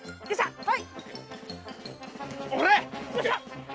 はい。